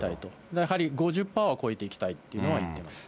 やはり５０パーは超えていきたいというのは言ってますね。